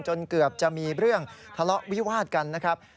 เกือบจะมีเรื่องทะเลาะวิวาดกันนะครับ